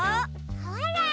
ほら！